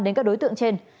đến các đối tượng trên